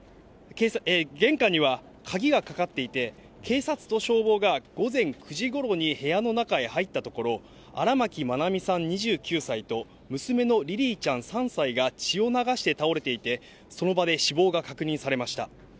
玄関には鍵がかかっていて、警察と消防が午前９時ごろに部屋の中に入ったところ、あらまきまなみさん２９歳と、娘のりりいちゃん３歳が血を流して倒れていて、その場で死亡が確認されました。